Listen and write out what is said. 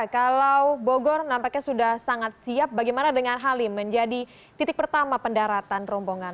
kalau bogor nampaknya sudah sangat siap bagaimana dengan halim menjadi titik pertama pendaratan rombongan